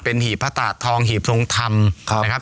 หีบพระตาดทองหีบททรงธรรมนะครับ